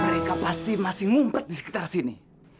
mereka pasti masih ngumpet disekitar sini